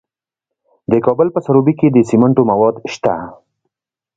د کابل په سروبي کې د سمنټو مواد شته.